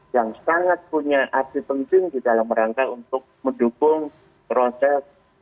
yang sangat punya arti penting di dalam rangka untuk mendukung proses